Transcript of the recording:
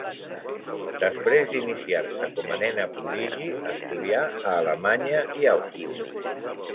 Després d'iniciar-se com a nena prodigi, estudià a Alemanya i Àustria.